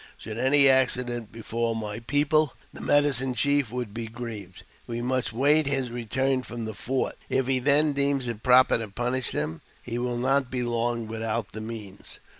Should any accident befall my people, the medicine chief would be grieved. We must wait his return from the fort ; if he then deems it proper to punish them, he will not be long without the means."